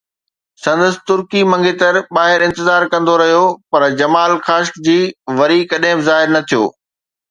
سندس ترڪي منگيتر ٻاهر انتظار ڪندو رهيو، پر جمال خاشقجي وري ڪڏهن به ظاهر نه ٿيو.